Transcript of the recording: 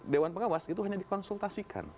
dewan pengawas itu hanya dikonsultasikan